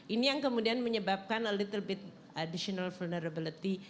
ini yang kemudian menyebabkan al little bit additional vulnerability